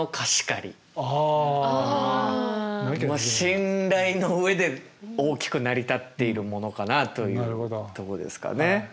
信頼の上で大きく成り立っているものかなというとこですかね。